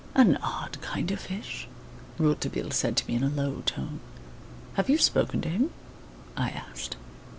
"An odd kind of fish!" Rouletabille said to me, in a low tone. "Have you spoken to him?" I asked.